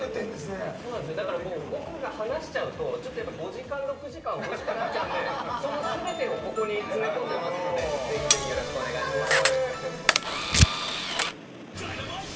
だからもう僕が話しちゃうとちょっとやっぱ５時間６時間欲しくなっちゃうんでその全てをここに詰め込んでますんでぜひぜひよろしくお願いします